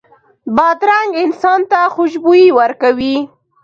بادرنګ انسان ته خوشبويي ورکوي.